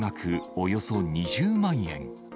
およそ２０万円。